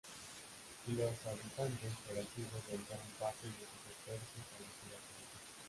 Los habitantes de las islas dedicaron parte de sus esfuerzos a la piratería.